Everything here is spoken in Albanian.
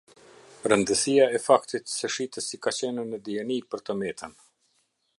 Rëndësia e faktit se shitësi ka qenë në dijeni për të metën.